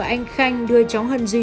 anh khanh đưa chó hân duy